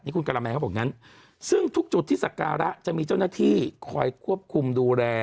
คุณกะละแมนเขาบอกงั้นซึ่งทุกจุดที่สักการะจะมีเจ้าหน้าที่คอยควบคุมดูแล